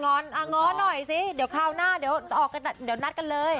งอนงอนหน่อยสิเดี๋ยวคราวหน้าเดี๋ยวนัดกันเลย